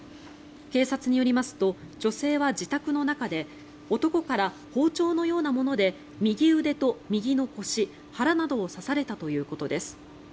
警察によりますと女性は自宅の中で男から包丁のようなもので右腕と右の腰、腹などを刺されたということです。